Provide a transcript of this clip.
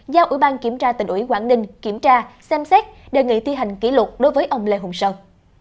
giao ủy ban kiểm tra tỉnh ủy quảng ninh kiểm tra xem xét đề nghị thi hành kỷ luật đối với ông lê hùng sơn